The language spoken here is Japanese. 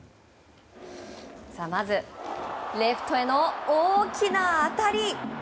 まず、レフトへの大きな当たり。